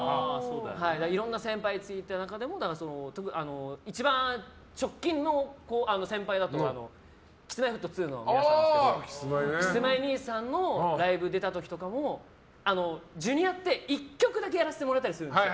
いろんな先輩についた中でも一番、直近の先輩だとＫｉｓ‐Ｍｙ‐Ｆｔ２の皆さんなんですけどキスマイ兄さんのライブ出た時もＪｒ．って１曲だけやらせてもらえたりするんです。